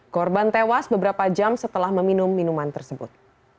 korban tewas beberapa jam setelah meminum minuman tersebut